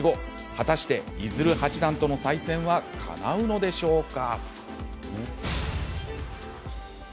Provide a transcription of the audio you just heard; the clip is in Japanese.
果たして、伊鶴八段との再戦はかなうのでしょうか。